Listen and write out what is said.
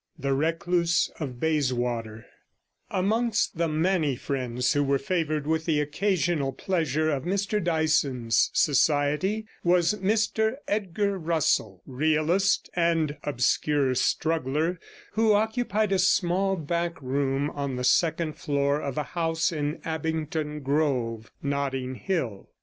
THE RECLUSE OF BAYSWATER Amongst the many friends who were favoured with the occasional pleasure of Mr Dyson's society was Mr Edgar Russell, realist and obscure struggler, 100 who occupied a small back room on the second floor of a house in Abingdon Grove, Notting Hill.